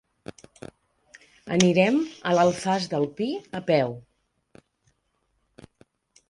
Anirem a l'Alfàs del Pi a peu.